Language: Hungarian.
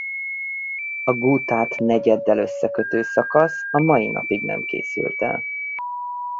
A Gútát Negyeddel összekötő szakasz a mai napig nem készült el.